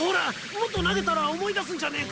もっと投げたら思い出すんじゃねえか！？